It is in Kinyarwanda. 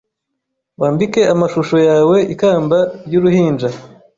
Wambike amashusho yawe ikamba ryuruhinja